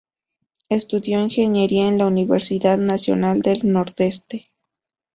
Estudió Ingeniería en la Universidad Nacional del Nordeste.